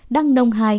đăng nông hai